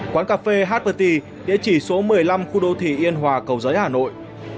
quán cà phê haperti địa chỉ số một mươi năm khu đô thị yên hòa cầu giấy hà nội